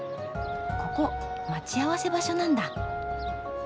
ここ待ち合わせ場所なんだ。